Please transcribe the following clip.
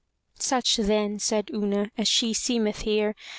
*'Such then,'' said Una, *'as she seemeth here.